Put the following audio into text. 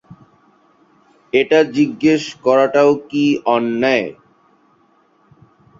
এটা জিজ্ঞেস করাটাও কি অন্যায়?